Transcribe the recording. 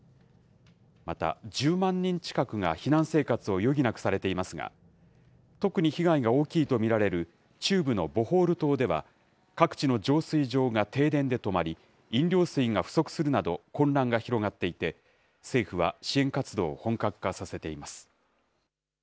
また、１０万人近くが避難生活を余儀なくされていますが、特に被害が大きいと見られる中部のボホール島では、各地の浄水場が停電で止まり、飲料水が不足するなど、混乱が広がっていて、政府は支援活動を本格化させています。